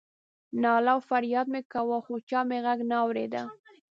ناله او فریاد مې کاوه خو چا مې غږ نه اورېده.